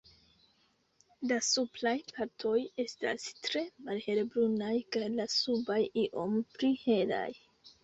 La supraj partoj estas tre malhelbrunaj kaj la subaj iom pli helaj.